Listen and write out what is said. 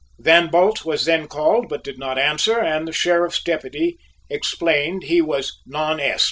Van Bult was then called, but did not answer, and the sheriff's deputy explained he was "non est."